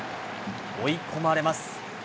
追い込まれます。